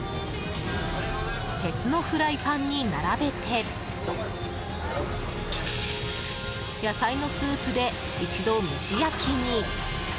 鉄のフライパンに並べて野菜のスープで一度蒸し焼きに。